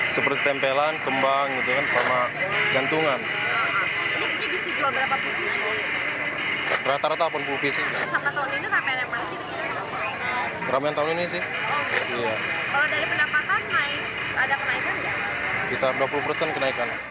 seperti tempelan kembang dan gantungan